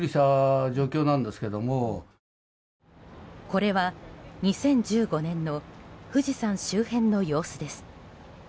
これは２０１５年の富士山周辺の様子です。